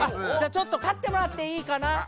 あっじゃあちょっと立ってもらっていいかな。